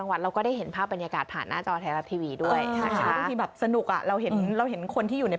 เปลี่ยนเปลี่ยนอีกทุ่มหนึ่งชุ่มเลยจ้า